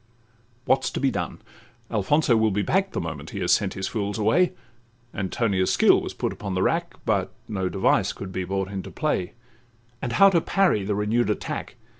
What 's to be done? Alfonso will be back The moment he has sent his fools away. Antonia's skill was put upon the rack, But no device could be brought into play— And how to parry the renew'd attack?